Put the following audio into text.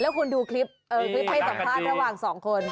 แล้วคุณดูคลิปคลิปให้สัมภาษณ์ระหว่างสองคน